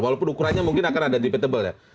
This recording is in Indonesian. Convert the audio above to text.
walaupun ukurannya mungkin akan ada di pt bapak